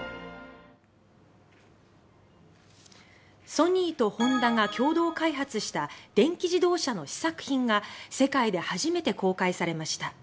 ソニーとホンダが共同開発した電気自動車の試作品が世界で初めて公開されました。